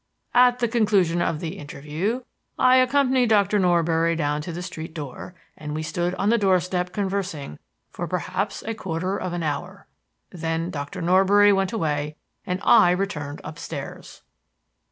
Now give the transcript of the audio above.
At the conclusion of the interview I accompanied Doctor Norbury down to the street door, and we stood on the doorstep conversing for perhaps a quarter of an hour. Then Doctor Norbury went away and I returned upstairs.